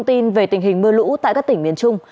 thông tin về tình hình mưa lũ tại các tỉnh miền trung